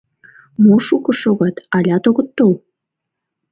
Мо шуко шогат, алят огыт тол?